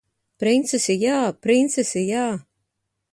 Princesi jā! Princesi jā!